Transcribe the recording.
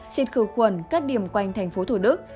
xịt khờ khuẩn các điểm quanh tp thủ đức